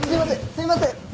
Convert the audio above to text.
すいません！